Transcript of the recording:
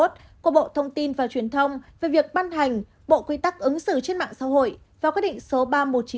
của bộ thông tin và truyền thông về việc ban hành bộ quy tắc ứng xử trên mạng xã hội